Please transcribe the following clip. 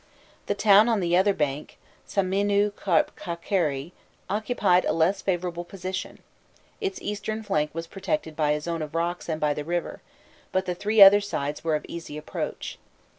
The town on the other bank, Samninû Kharp Khâkerî, occupied a less favourable position: its eastern flank was protected by a zone of rocks and by the river, but the three other sides were of easy approach.